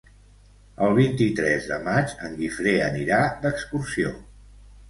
El vint-i-tres de maig en Guifré anirà d'excursió.